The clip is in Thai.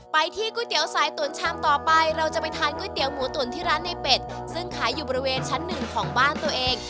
ไปที่ก๋วยเตี๋ยวสายตุ๋นชามต่อไปเราจะไปทานก๋วยเตี๋ยวหมูตุ๋นที่ร้านในเป็ดซึ่งขายอยู่บริเวณชั้นหนึ่งของบ้านตัวเอง